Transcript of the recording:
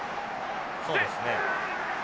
そうですね。